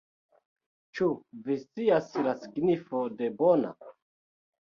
Ĉu vi scias la signifon de bona?